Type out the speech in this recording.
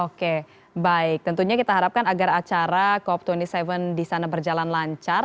oke baik tentunya kita harapkan agar acara cop dua puluh tujuh di sana berjalan lancar